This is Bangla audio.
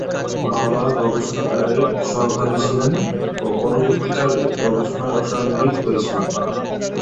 বাবা গবেষণাগারের সহকারী ছিলেন ও পরবর্তীকালে গবেষণা রসায়নবিদ হয়েছিলেন।